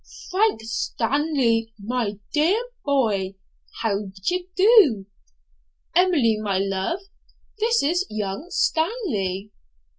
'Frank Stanley, my dear boy, how d'ye do? Emily, my love, this is young Stanley.'